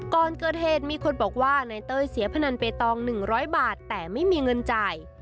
ก่อนเกิดเหตุมีคนบอกว่านายเต้ยเสียพนันเปตอง๑๐๐บาทแต่ไม่มีเงินจ่าย